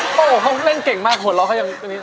โอ้โฮเขาเล่นเก่งมากหว่อนร้องให้ยัง